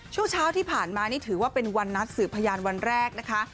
ช่วงเช้าที่ผ่านมานี่ถือว่าเป็นวันนัดสืบพยานวันแรกนะคะ